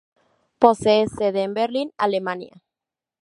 Posee sede en Berlín, Alemania.